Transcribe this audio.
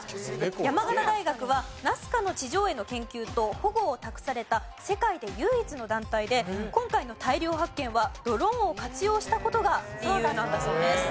山形大学はナスカの地上絵の研究と保護を託された世界で唯一の団体で今回の大量発見はドローンを活用した事が理由なんだそうです。